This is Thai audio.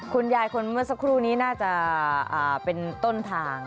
คุณยายคนเมื่อสักครู่นี้น่าจะเป็นต้นทาง